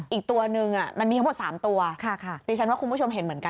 อีกตัวนึงมันมีทั้งหมด๓ตัวดิฉันว่าคุณผู้ชมเห็นเหมือนกัน